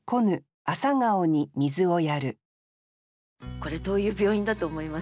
これどういう病院だと思います？